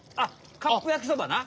カップ焼きそばな！